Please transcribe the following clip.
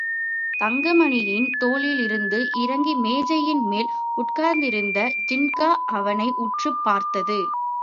தங்கமணியின் தோளிலிருந்து இறங்கி மேஜையின் மேல் உட்கார்ந்திருந்த ஜின்கா அவனை உற்றுப் பார்த்தது.